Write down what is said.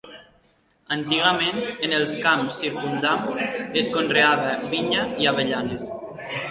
Antigament, en els camps circumdants es conreava vinya i avellanes.